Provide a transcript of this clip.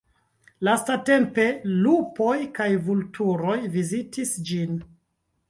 Lastatempe, lupoj kaj vulturoj vizitis ĝin.